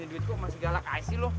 ini duit kok masih galak alik sih loh